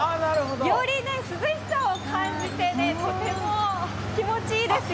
より涼しさを感じてね、とても気持ちいいですよ。